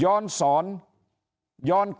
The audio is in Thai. ย้อนการณ์ปรัตกฐาพิเศษในงาน๕๐ปี